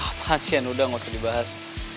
apaan sih yang udah gak usah dibahas